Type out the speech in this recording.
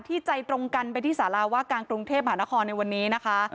ใจตรงกันไปที่สาราว่าการกรุงเทพหานครในวันนี้นะคะ